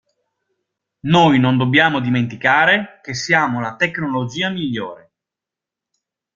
Noi non dobbiamo dimenticare che siamo la tecnologia migliore.